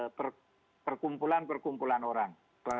atau melarang perkumpulan perkumpulan orang